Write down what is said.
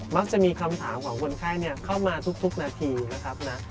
จะมีคำถามของคนไข้เข้ามาทุกนาทีนะครับนะ